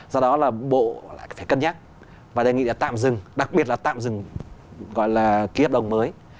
do đó là bộ phải cân nhắc và đề nghị tạm dừng đặc biệt là tạm dừng gọi là ký ấp đồng mới